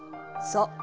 そう。